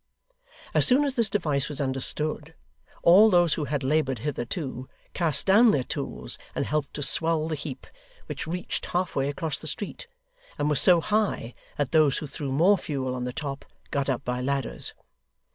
As soon as this device was understood, all those who had laboured hitherto, cast down their tools and helped to swell the heap; which reached half way across the street, and was so high, that those who threw more fuel on the top, got up by ladders.